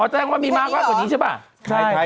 แจ้งว่ามีมากกว่านี้ใช่ป่ะ